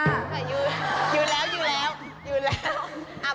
คุณไข่ยืนยืนแล้ว